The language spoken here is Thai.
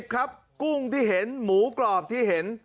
ครับกุ้งที่เห็นหมูกรอบที่เห็น